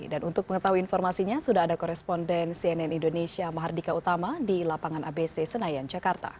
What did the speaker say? dan untuk mengetahui informasinya sudah ada koresponden cnn indonesia mahardika utama di lapangan abc senayan jakarta